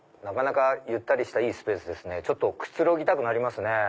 ゆったりしたいいスペースですねくつろぎたくなりますね。